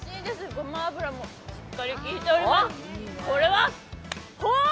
ごま油もしっかりきいております。